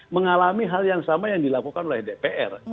mengalami hal yang sama yang dilakukan oleh dpr